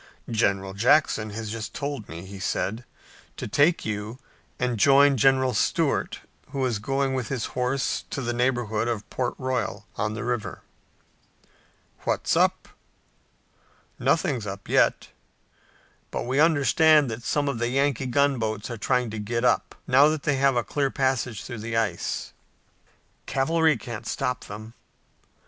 "General Jackson has just told me," he said, "to take you and join General Stuart, who is going with his horse to the neighborhood of Port Royal on the river." "What's up?" "Nothing's up yet. But we understand that some of the Yankee gunboats are trying to get up, now that they have a clear passage through the ice." "Cavalry can't stop them."